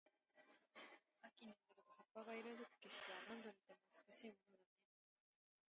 秋になると葉っぱが色付く景色は、何度見ても美しいものだね。